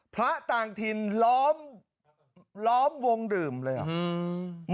พระต่างถิ่นล้อมล้อมวงดื่มเลยเหรอ